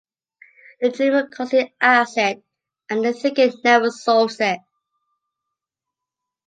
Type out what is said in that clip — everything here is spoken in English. The dreamer constantly asks it, and the thinker never solves it.